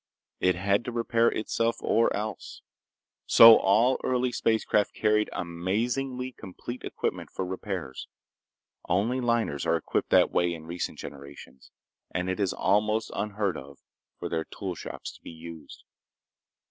It had to repair itself or else. So all early spacecraft carried amazingly complete equipment for repairs. Only liners are equipped that way in recent generations, and it is almost unheard of for their tool shops to be used.